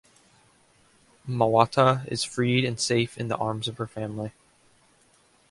Mawata is freed and safe in the arms of her family.